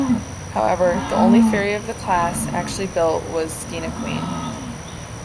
However, the only ferry of the class actually built was "Skeena Queen".